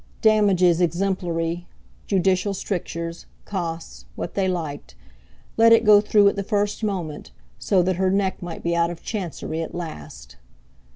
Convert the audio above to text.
Damages exemplary, judicial strictures, costs, what they liked—let it go through at the first moment, so that her neck might be out of chancery at last!